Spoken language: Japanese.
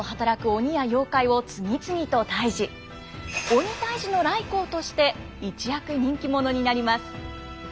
鬼退治の頼光として一躍人気者になります。